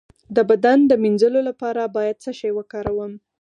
د بدن د مینځلو لپاره باید څه شی وکاروم؟